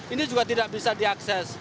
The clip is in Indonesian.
ini juga tidak bisa diakses